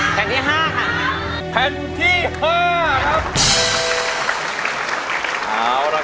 แผ่นที่ห้าค่ะแผ่นที่ห้าครับ